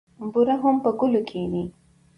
بورا هم پر ګلو کېني.